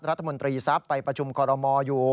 รัฐมนตรีทรัพย์ไปประชุมคอรมออยู่